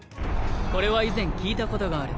これは以前聞いたことがある。